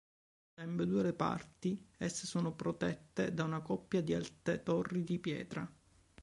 Da ambedue parti esse sono protette da una coppia di alte torri in pietra.